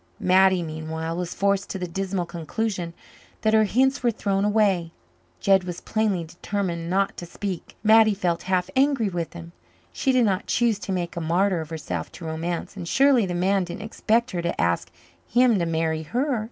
Mattie, meanwhile, was forced to the dismal conclusion that her hints were thrown away. Jed was plainly determined not to speak. Mattie felt half angry with him. She did not choose to make a martyr of herself to romance, and surely the man didn't expect her to ask him to marry her.